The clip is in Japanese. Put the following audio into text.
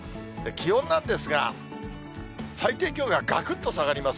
気温なんですが、最低気温ががくっと下がります。